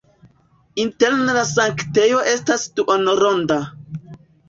Interne la sanktejo estas duonronda.